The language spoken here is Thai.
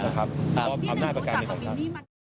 ก็ทำได้ประกันที่ผมทำ